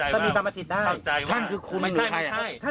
แก้รูปสมมุติอนาคตสมมุติขึ้นมา